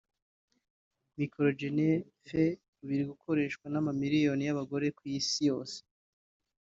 Microgynon® Fe ubu irigukoreshwa n’ama miliyoni y’abagore ku Isi yose